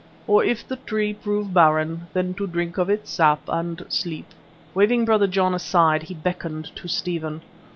Or if the tree prove barren, then to drink of its sap and sleep." Waving Brother John aside he beckoned to Stephen.